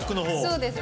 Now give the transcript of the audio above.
そうです。